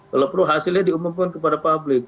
kalau perlu hasilnya diumumkan kepada publik